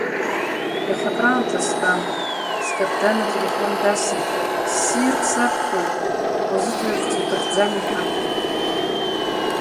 Иаха акраамҭа стәан, скаԥдан ателефон дасит, ссирк саԥхьоит, уазыӡырҩырц уҭахӡами, ҳәа.